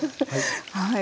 はい。